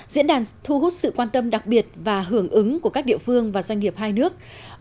diễn đàn thu hút sự quan tâm đặc biệt và hưởng ứng của các địa phương và doanh nghiệp hai nước